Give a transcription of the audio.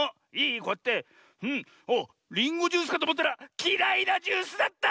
こうやっておっリンゴジュースかとおもったらきらいなジュースだった！